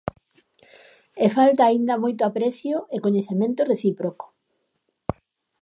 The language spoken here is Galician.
E falta aínda moito aprecio e coñecemento recíproco.